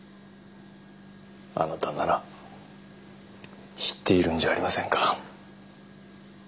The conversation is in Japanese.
あなたなら知っているんじゃありませんか？